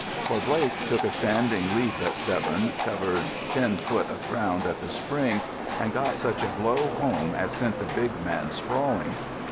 For Blake took a standing leap at Severn, covered ten foot of ground at the spring, and got such a blow home as sent the big man sprawling.